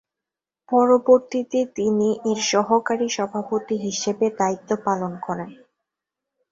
পরবর্তীতে তিনি এর সহকারী সভাপতি হিসেবে দায়িত্ব পালন করেন।